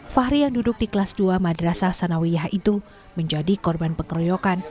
fahri yang duduk di kelas dua madrasah sanawiyah itu menjadi korban pengeroyokan